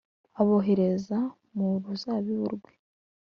abohereza mu ruzabibu rwe.